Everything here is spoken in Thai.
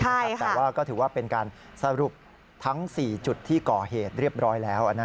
แต่ว่าก็ถือว่าเป็นการสรุปทั้ง๔จุดที่ก่อเหตุเรียบร้อยแล้ว